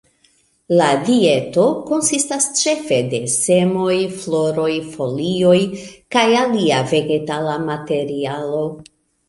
La dieto konsistas ĉefe de semoj, floroj, folioj kaj alia vegetala materialo.